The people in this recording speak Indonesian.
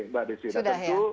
mbak desi tentu